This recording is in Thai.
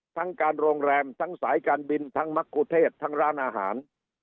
การโรงแรมทั้งสายการบินทั้งมะกุเทศทั้งร้านอาหาร